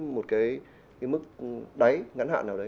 một cái mức đáy ngắn hạn nào đấy